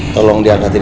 tolong diangkatin ya